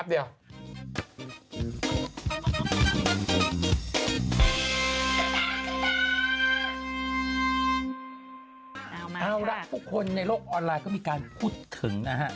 เอาละผู้คนในโลกออนไลน์ก็มีการพูดถึงนะฮะ